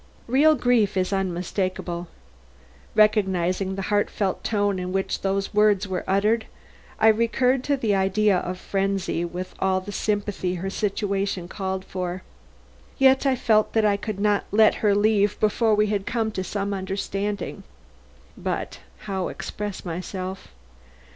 Real grief is unmistakable. Recognizing the heartfelt tone in which these words were uttered, I recurred to the idea of frenzy with all the sympathy her situation called for. Yet I felt that I could not let her leave before we had come to some understanding. But how express myself?